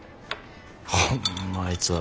ホンマあいつは。